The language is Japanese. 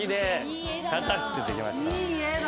いい絵だ。